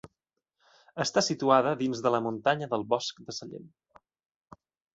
Està situada dins de la Muntanya del Bosc de Sallent.